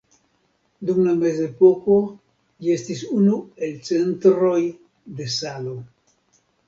Dum la mezepoko ĝi estis unu el centroj de salo.